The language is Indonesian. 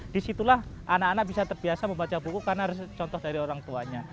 disitulah anak anak bisa terbiasa membaca buku karena harus contoh dari orang tuanya